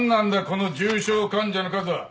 この重症患者の数は。